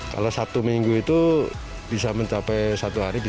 kalau satu minggu itu bisa mencapai enam ratus tujuh ratus ribu